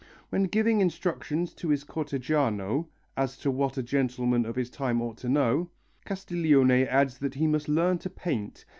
When giving instructions in his Cortegiano, as to what a gentleman of his time ought to know, Castiglione adds that he must learn to paint.